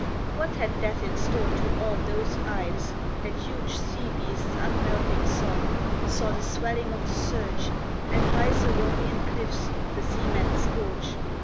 What had Death in store to awe Those eyes, that huge sea beasts unmelting saw, Saw the swelling of the surge, And high Ceraunian cliffs, the seaman's scourge?